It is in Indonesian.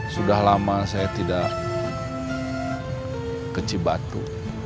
sudah lama saya tidak ke cibatu